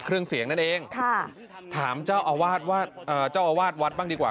เครื่องเสียงนั่นเองค่ะถามเจ้าอาวาสวัดเจ้าอาวาสวัดบ้างดีกว่า